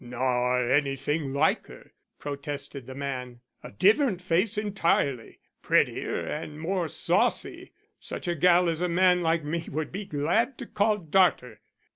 "Nor anything like her," protested the man. "A different face entirely; prettier and more saucy. Such a gal as a man like me would be glad to call darter."